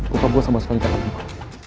bokap gue sama suami kakaknya